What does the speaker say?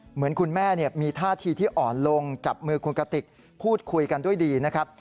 เหมือนคุณแม่มีท่าทีที่อ่อนลงจับมือคุณกติกพูดคุยกันด้วยดีนะครับ